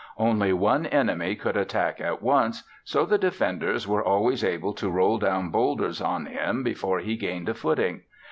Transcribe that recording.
Only one enemy could attack at once, so the defenders were always able to roll down bowlders on him before he gained a footing.